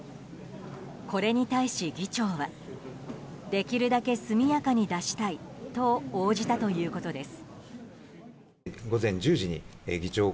これに対し、議長はできるだけ速やかに出したいと応じたということです。